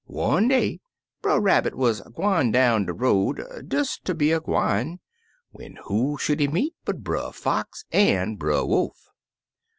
One day Brer Rabbit wuz gwine down de road, des ter be a gwine, when who should he meet but Brer Fox an' Brer Wolf.